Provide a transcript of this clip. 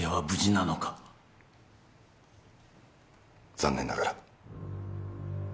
残念ながら。